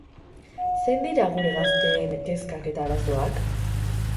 Zein dira gure gazteen kezkak eta arazoak?